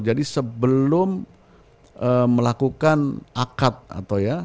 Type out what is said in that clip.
jadi sebelum melakukan akad atau ya